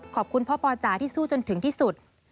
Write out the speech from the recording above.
ขอบคุณพ่อปอจ๋าที่สู้จนถึงที่สุด